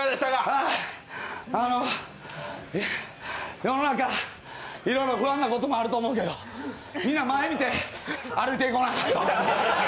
はぁはぁ、世の中いろいろ不安なこともあると思うけど、皆、前見て歩いていこうな。